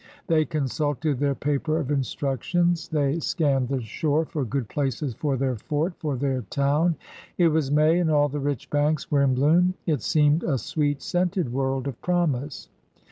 They consulted their paper of instructions; they * Percy's D%9Couri$, mmm THE ADVENTUBERS 95 scanned the shore for good places for their fort, for their town. It was May, and all the rich banks were in bloom. It seemed a sweet scented world of promise.